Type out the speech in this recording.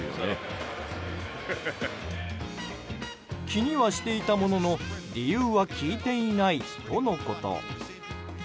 気にはしていたものの理由は聞いていないとのこと。